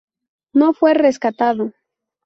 No fue rescatado.